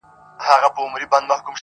گلابي شونډي يې د بې په نوم رپيږي